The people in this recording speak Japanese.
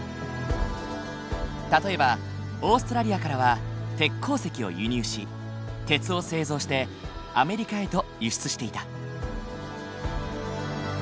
例えばオーストラリアからは鉄鉱石を輸入し鉄を製造してアメリカへと輸出していた。